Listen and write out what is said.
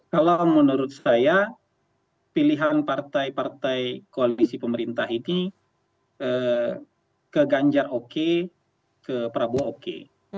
kalau menurut saya pilihan partai partai koalisi pemerintah ini ke ganjar oke ke prabowo oke